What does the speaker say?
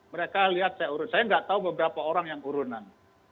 mereka lihat saya urut saya nggak tahu beberapa orang yang urunan